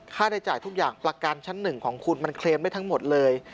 ได้จ่ายทุกอย่างประกันชั้นหนึ่งของคุณมันเคลมได้ทั้งหมดเลย